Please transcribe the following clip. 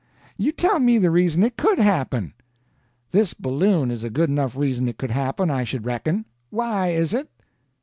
"You tell me the reason it could happen." "This balloon is a good enough reason it could happen, I should reckon." "Why is it?"